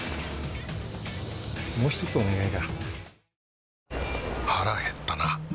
もう一つお願いが。